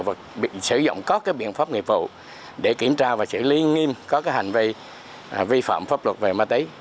và sử dụng các biện pháp nghiệp vụ để kiểm tra và xử lý nghiêm có hành vi vi phạm pháp luật về ma túy